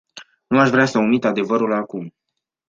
Nu aș vrea să omit adevărul acum.